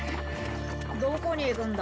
どこに行くんだ？